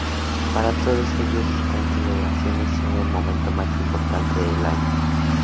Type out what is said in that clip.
Para todos ellos, estas celebraciones son el momento más importante del año.